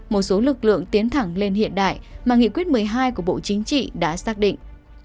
một số lực lượng tiến thẳng lên hiện đại mà nghị quyết một mươi hai của bộ chính trị đã xác định